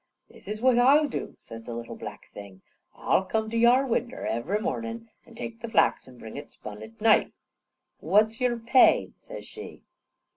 "This is what I'll dew," says the little black thing: "I'll come to yar winder iv'ry mornin' an' take the flax an' bring it spun at night" "What's your pay?" says she.